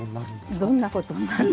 どんなことになるって。